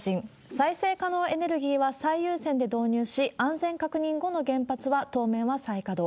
再生可能エネルギーは最優先で導入し、安全確認後の原発は、当面は再稼働。